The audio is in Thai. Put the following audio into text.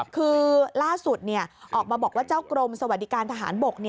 คือล่าสุดออกมาบอกว่าเจ้ากรมสวัสดิการทหารบก